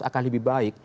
akan lebih baik